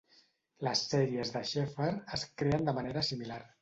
Les sèries de Sheffer es creen de manera similar.